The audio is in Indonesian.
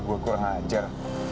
gue kurang ajar